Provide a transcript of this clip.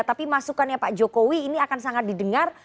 tapi masukannya pak jokowi ini akan sangat didengar